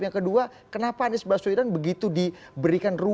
yang kedua kenapa anies baswedan begitu diberikan ruang